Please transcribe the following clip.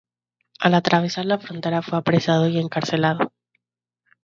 Al atravesar la frontera fue apresado y encarcelado.